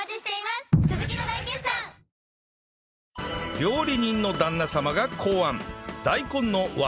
料理人の旦那様が考案